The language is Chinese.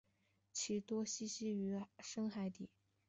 其多栖息于深海底。